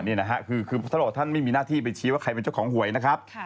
นี่นะฮะคือท่านบอกท่านไม่มีหน้าที่ไปชี้ว่าใครเป็นเจ้าของหวยนะครับ